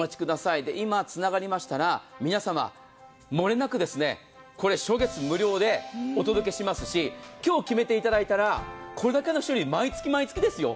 今つながりましたら皆様、漏れなく初月無料でお届けしますし、今日決めていただいたら、これだけの種類、毎月毎月ですよ。